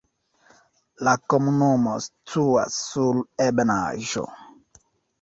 La komunumo situas sur ebenaĵo.